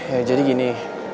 ya jadi gini